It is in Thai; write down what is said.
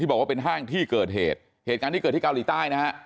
บอกว่าเป็นห้างที่เกิดเหตุเหตุการณ์ที่เกิดที่เกาหลีใต้นะฮะ